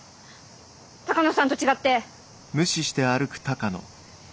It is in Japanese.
鷹野さんと違って。